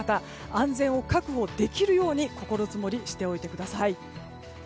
安全を確保できるように心づもりしておいてください。